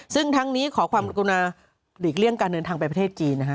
ซึ่งทั้งนี้ขอความกรุณาหลีกเลี่ยงการเดินทางไปประเทศจีนนะฮะ